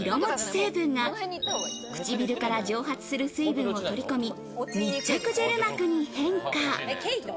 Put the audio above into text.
成分が唇から蒸発する水分を取り込み、密着ジェル膜に変化。